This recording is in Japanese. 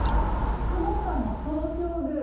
久能山の東照宮。